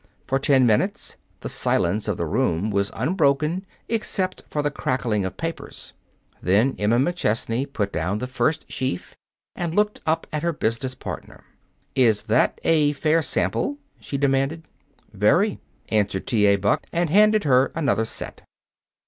For ten minutes, the silence of the room was unbroken except for the crackling of papers. Then Emma McChesney put down the first sheaf and looked up at her business partner. "Is that a fair sample?" she demanded. "Very," answered T. A. Buck, and handed her another set.